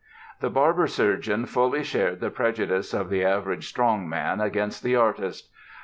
The barber surgeon fully shared the prejudice of the average "strong man" against the artist.